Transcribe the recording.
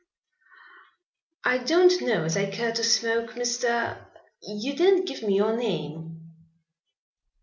"I don't know as I care to smoke, Mr. You didn't give me your name."